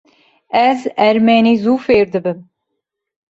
Ez ermenî zû fêr dibim.